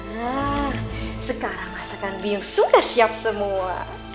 nah sekarang masakan bius sudah siap semua